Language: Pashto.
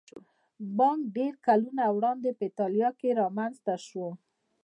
بانک ډېر کلونه وړاندې په ایټالیا کې رامنځته شو